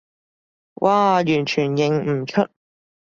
嘩，完全認唔出